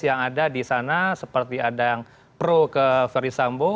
yang ada di sana seperti ada yang pro ke verdi sambo